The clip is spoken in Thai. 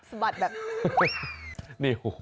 สะบัดแบบ